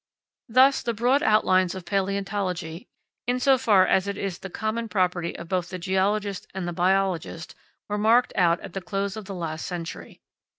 Thus the broad outlines of palaeontology, in so far as it is the common property of both the geologist and the biologist, were marked out at the close of the last century.